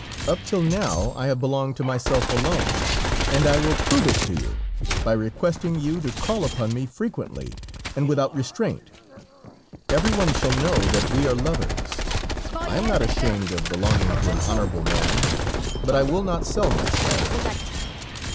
"Up till now, I have belonged to myself alone, and I will prove it to you, by requesting you to call upon me frequently and without restraint. Everyone shall know that we are lovers. I am not ashamed of belonging to an honorable man, but I will not sell myself."